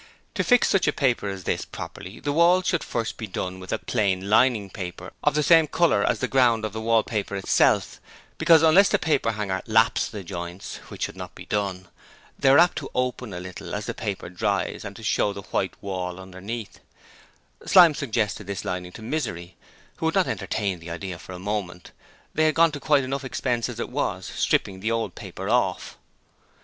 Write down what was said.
To fix such a paper as this properly the walls should first be done with a plain lining paper of the same colour as the ground of the wallpaper itself, because unless the paperhanger 'lapps' the joints which should not be done they are apt to open a little as the paper dries and to show the white wall underneath Slyme suggested this lining to Misery, who would not entertain the idea for a moment they had gone to quite enough expense as it was, stripping the old paper off!